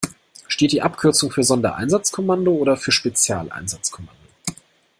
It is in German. Steht die Abkürzung für Sondereinsatzkommando oder für Spezialeinsatzkommando?